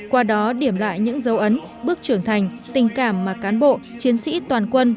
qua đó điểm lại những dấu ấn bước trưởng thành tình cảm mà cán bộ chiến sĩ toàn quân